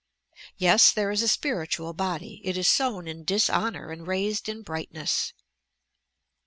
Yes, there is a spiritual body — it is sown in dishonour and raised in brightness."